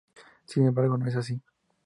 Sin embargo, no es así.